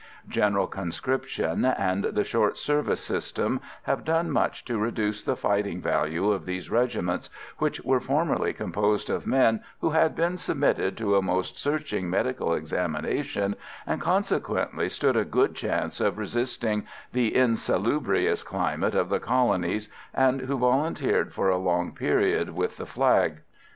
General conscription and the short service system have done much to reduce the fighting value of these regiments, which were formerly composed of men who had been submitted to a most searching medical examination, and consequently stood a good chance of resisting the insalubrious climate of the Colonies, and who volunteered for a long period with the flag.